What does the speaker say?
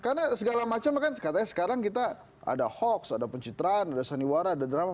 karena segala macam kan katanya sekarang kita ada hoax ada pencitraan ada seniwara ada drama